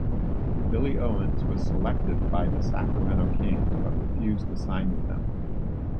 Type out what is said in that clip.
Billy Owens was selected by the Sacramento Kings but refused to sign with them.